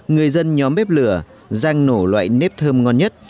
người dân nhóm bếp lửa rang nổ loại nếp thơm ngon nhất